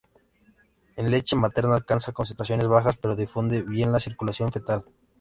En leche materna alcanza concentraciones bajas pero difunde bien a la circulación fetal.